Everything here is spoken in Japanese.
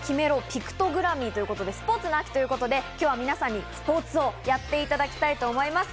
ピクトグラミーということで、スポーツの秋ということで今日は皆さんにスポーツをやっていただきたいと思います。